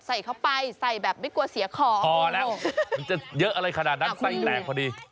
ใส่เข้าไปใส่แบบไม่กลัวเสียของพอแล้วมันจะเยอะอะไรขนาดนั้นไส้แตกพอดี